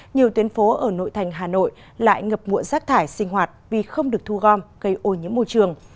nhiều tuyến phố ở nội thành hà nội lại ngập muộn rác thải sinh hoạt vì không được thu gom gây ô nhiễm môi trường